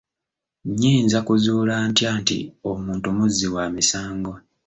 Nnyinza kuzuula ntya nti omuntu muzzi wa misango?